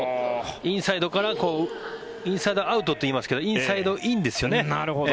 インサイドからインサイドアウトといいますけどインサイドインですよね。